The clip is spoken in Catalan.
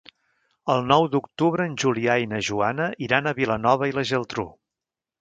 El nou d'octubre en Julià i na Joana iran a Vilanova i la Geltrú.